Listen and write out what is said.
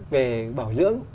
về bảo dưỡng